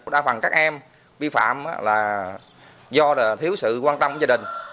đa phần các em vi phạm là do thiếu sự quan tâm của gia đình